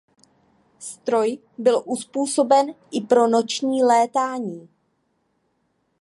Stroj byl uzpůsoben i pro noční létání.